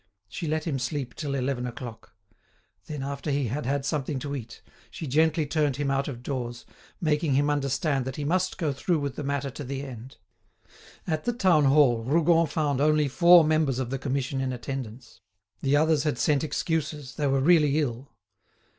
She let him sleep till eleven o'clock. Then, after he had had something to eat, she gently turned him out of doors, making him understand that he must go through with the matter to the end. At the town hall, Rougon found only four members of the Commission in attendance; the others had sent excuses, they were really ill.